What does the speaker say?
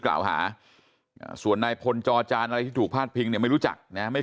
กล่าวหาส่วนนายพลจอจานอะไรที่ถูกพาดพิงเนี่ยไม่รู้จักนะไม่